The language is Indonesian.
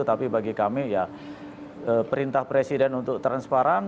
tapi bagi kami ya perintah presiden untuk transparan